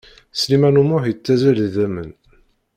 Sliman U Muḥ yettazzal d idamen.